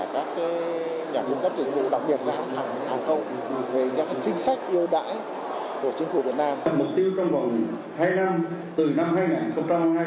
đặc biệt là kết nối đà nẵng với các trung tâm hàng không